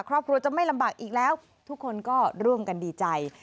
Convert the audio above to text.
ครอบครัวจะไม่ลำบากอีกแล้วทุกคนก็ร่วมกันดีใจ